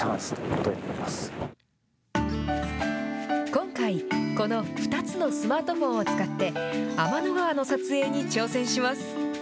今回、この２つのスマートフォンを使って、天の川の撮影に挑戦します。